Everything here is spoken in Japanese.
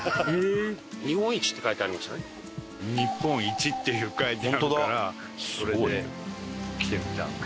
「日本一」って書いてあるからそれで来てみた。